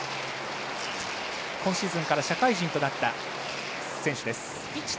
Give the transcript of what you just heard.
今シーズンから社会人となった選手です。